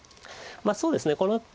まあそうですね